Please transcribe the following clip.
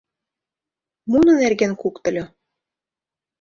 Муно нерген куктыльо...